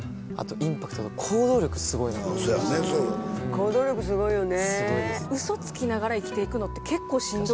行動力すごいよね。